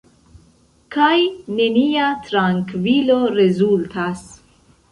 Kaj nenia trankvilo rezultas.